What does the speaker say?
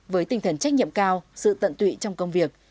với tinh thần trách nhiệm cao sự tận tụy trong công việc